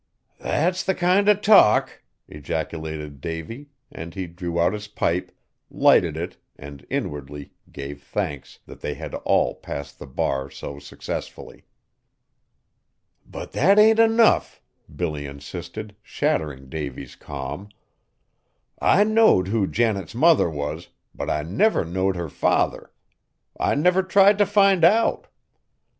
"That's the kind o' talk!" ejaculated Davy, and he drew out his pipe, lighted it and inwardly gave thanks that they had all passed the bar so successfully. "But that ain't enough!" Billy insisted, shattering Davy's calm. "I knowed who Janet's mother was, but I never knowed her father. I never tried t' find out.